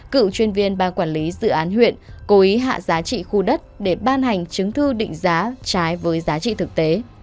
cựu chuyên viên ban quản lý dự án huyện cố ý hạ giá trị khu đất để ban hành chứng thư định giá trái với giá trị thực tế